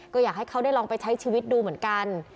ก็อยากให้เขาได้ลองไปใช้ชีวิตดูเหมือนกัน